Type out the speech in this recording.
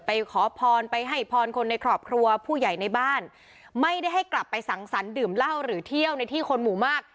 ขอพรไปให้พรคนในครอบครัวผู้ใหญ่ในบ้านไม่ได้ให้กลับไปสังสรรคดื่มเหล้าหรือเที่ยวในที่คนหมู่มาก